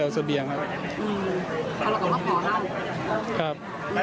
ซะเบียงครับ